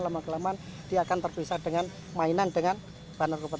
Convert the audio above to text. lama kelamaan dia akan terpisah dengan mainan dengan bahan narkotika tadi